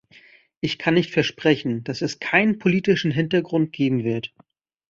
Ich kann nicht versprechen, dass es keinen politischen Hintergrund geben wird.